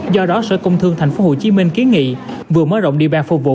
do đó sở công thương tp hcm kiến nghị vừa mở rộng địa bàn phục vụ